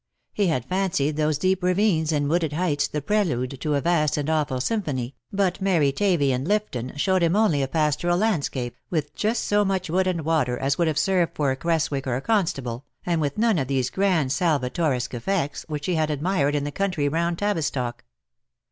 He had fancied those deep ravines and wooded heights the prelude to a vast and awful symphony, but Mary Tavy and Lifton showed him only a pastoral landscape, with just so much wood and water as would have served for a Creswick or a Constable, and with none of those grand Salvatoresque effects which he had admired in the country round Tavistock.